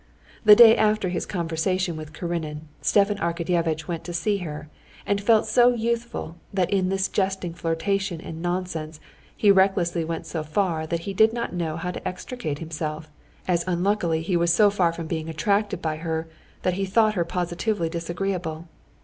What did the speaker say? The day after his conversation with Karenin, Stepan Arkadyevitch went to see her, and felt so youthful that in this jesting flirtation and nonsense he recklessly went so far that he did not know how to extricate himself, as unluckily he was so far from being attracted by her that he thought her positively disagreeable.